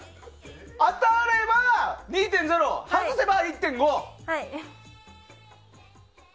当たれば２．０外せば１．５。